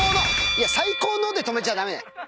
いや最高ので止めちゃ駄目。